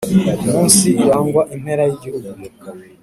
Umunsi irangwa impera y'igihugu